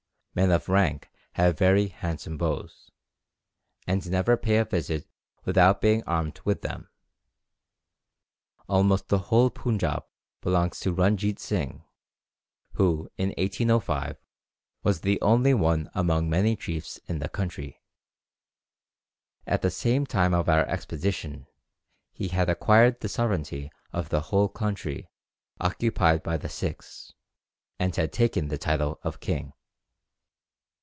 Men of rank have very handsome bows, and never pay a visit without being armed with them. Almost the whole Punjab belongs to Runjeet Sing, who in 1805 was only one among many chiefs in the country. At the time of our expedition, he had acquired the sovereignty of the whole country occupied by the Sikhs, and had taken the title of king."